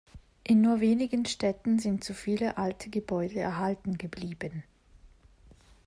In nur wenigen Städten sind so viele alte Gebäude erhalten geblieben.